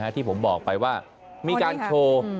ที่ผมบอกไปว่ามีการโชว์